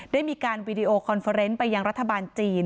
ได้มีการวีดีโอคอนเฟอร์เนนต์ไปยังรัฐบาลจีน